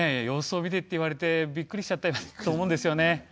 様子を見てって言われてびっくりしちゃったと思うんですよね。